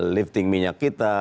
lifting minyak kita